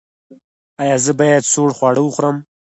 ایا زه باید سوړ خواړه وخورم؟